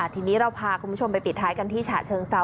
ทีนี้เราพาคุณผู้ชมไปปิดท้ายกันที่ฉะเชิงเซา